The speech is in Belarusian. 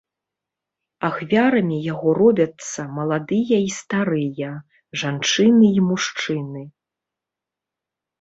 Ахвярамі яго робяцца маладыя і старыя, жанчыны і мужчыны.